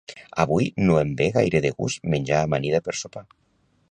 Avui no em ve gaire de gust menjar amanida per sopar